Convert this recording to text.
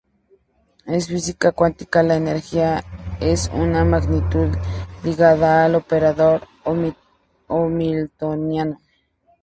En física cuántica, la energía es una magnitud ligada al operador hamiltoniano.